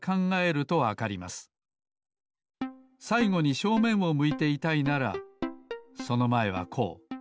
さいごに正面を向いていたいならそのまえはこう。